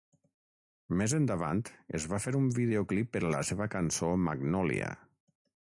Més endavant, es va fer un videoclip per a la seva cançó "Magnolia".